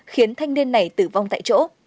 khiến thanh niên này tử vong tại chỗ